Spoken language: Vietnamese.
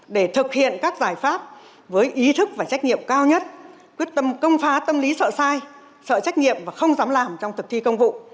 để thực hiện các giải pháp với ý thức và trách nhiệm cao nhất quyết tâm công phá tâm lý sợ sai sợ trách nhiệm và không dám làm trong thực thi công vụ